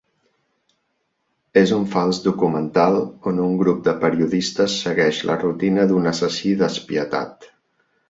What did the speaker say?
És un fals documental on un grup de periodistes segueix la rutina d'un assassí despietat.